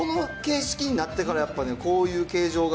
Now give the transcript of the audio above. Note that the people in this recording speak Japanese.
この形式になってから、やっぱね、こういう形状が。